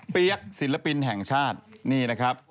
เปี๊ยกศิลปินแห่งชาตินี่นะครับ